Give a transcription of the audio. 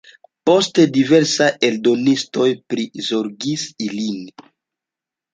Poste diversaj eldonistoj prizorgis ilin.